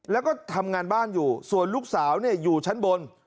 แล้วก็ทำงานบ้านอยู่ส่วนลูกสาวอยู่ชั้นบน